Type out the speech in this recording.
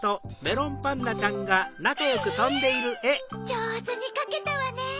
じょうずにかけたわね！